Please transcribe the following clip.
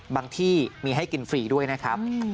ที่มีให้กินฟรีด้วยนะครับ